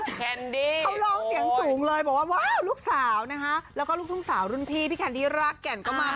เขาร้องเหนียงสูงเลยว่าลูกสาวและลุ่นพี่พี่แคนดี้ลากแกนเข้ามา